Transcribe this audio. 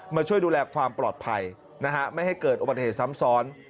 มาช่วยดูแลความปลอดภัยนะฮะไม่ให้เกิดอุบัติเหตุซ้ำซ้อน